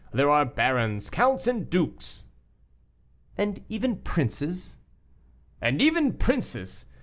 There are barons, counts, and dukes." "And even princes?" "And even princes.